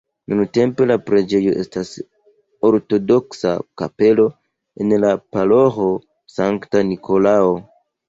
Nuntempe la preĝejo estas ortodoksa kapelo en la paroĥo Sankta Nikolao.